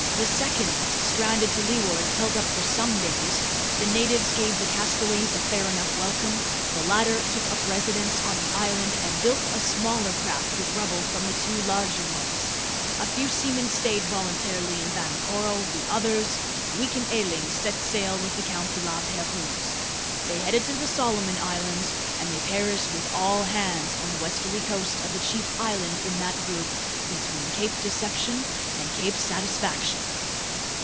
The second, stranded to leeward, held up for some days. The natives gave the castaways a fair enough welcome. The latter took up residence on the island and built a smaller craft with rubble from the two large ones. A few seamen stayed voluntarily in Vanikoro. The others, weak and ailing, set sail with the Count de La Pérouse. They headed to the Solomon Islands, and they perished with all hands on the westerly coast of the chief island in that group, between Cape Deception and Cape Satisfaction!"